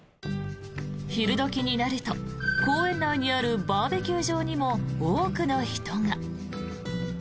昼時になると公園内にあるバーベキュー場にも多くの人が。